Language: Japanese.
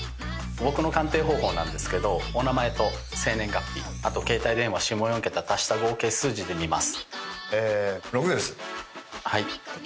僕の鑑定方法なんですけどお名前と生年月日あと携帯電話下４桁足した合計数字で見ます。